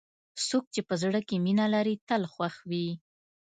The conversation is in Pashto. څوک چې په زړه کې مینه لري، تل خوښ وي.